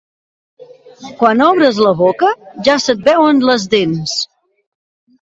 Quan obres la boca ja se't veuen les dents.